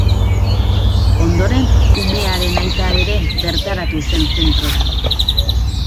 Ondoren, umearen aita ere bertaratu zen zentrora.